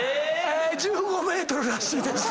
１５ｍらしいです。